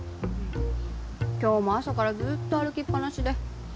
今日も朝からずっと歩きっぱなしで。